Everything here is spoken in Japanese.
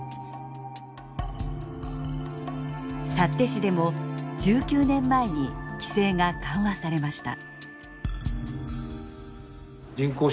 幸手市でも１９年前に規制が緩和されました。